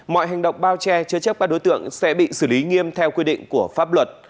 mọi hành động bao che chứa chấp các đối tượng sẽ bị xử lý nghiêm theo quy định của pháp luật